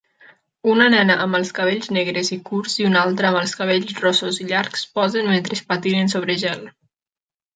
Una nena amb els cabells negres i curts i una altra amb els cabells rossos i llargs posen mentre patinen sobre gel.